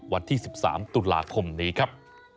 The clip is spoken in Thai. วันที่๑๓ตุลาคมนี้ครับ